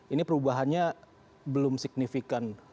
ini perubahannya belum signifikan